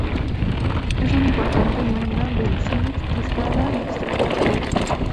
Es una importante mena del cinc, buscada y extraída por ello.